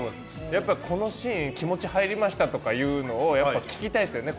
やっぱこのシーン気持ち入りましたとかいうのを聞きたいっすよね